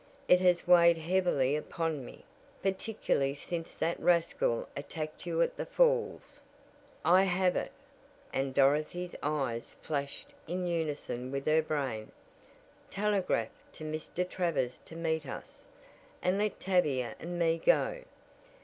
It has weighed heavily upon me, particularly since that rascal attacked you at the falls." "I have it!" and Dorothy's eyes flashed in unison with her brain. "Telegraph to Mr. Travers to meet us, and let Tavia and me go.